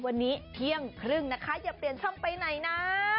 วันนี้เที่ยงครึ่งนะคะอย่าเปลี่ยนช่องไปไหนนะ